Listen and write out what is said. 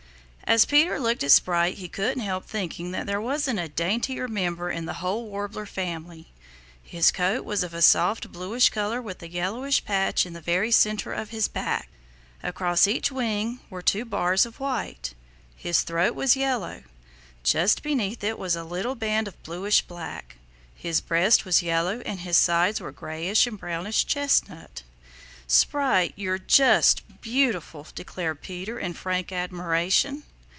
As Peter looked at Sprite he couldn't help thinking that there wasn't a daintier member in the whole Warbler family. His coat was of a soft bluish color with a yellowish patch in the very center of his back. Across each wing were two bars of white. His throat was yellow. Just beneath it was a little band of bluish black. His breast was yellow and his sides were grayish and brownish chestnut. "Sprite, you're just beautiful," declared Peter in frank admiration.